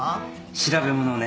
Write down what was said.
調べ物をね。